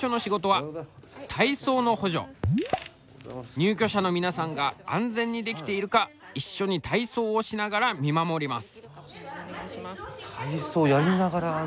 入居者の皆さんが安全にできているか一緒に体操をしながら見守ります。